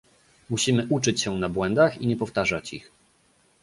Musimy uczyć się na błędach i nie powtarzać ich